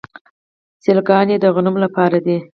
سیلوګانې د غنمو لپاره دي.